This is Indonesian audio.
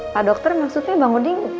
pak dokter maksudnya bang udi